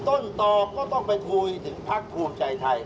ต้นต่อก็ต้องไปคุยถึงพักภูมิใจไทย